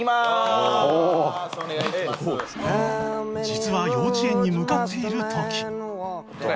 実は幼稚園に向かっている時